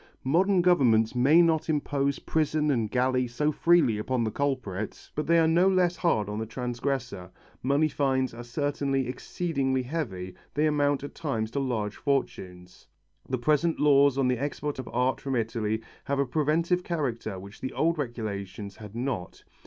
Modern governments may not impose prison and galley so freely upon the culprit, but they are no less hard on the transgressor. Money fines are certainly exceedingly heavy, they amount at times to large fortunes. The present laws on the export of art from Italy have a preventive character which the old regulations had not.